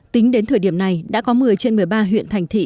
tính đến thời điểm này đã có một mươi trên một mươi ba huyện thành thị